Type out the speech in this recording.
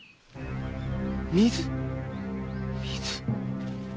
水⁉水！